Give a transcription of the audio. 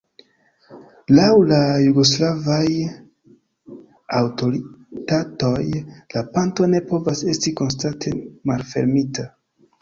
Laŭ la jugoslavaj aŭtoritatoj la ponto ne povas esti konstante malfermita.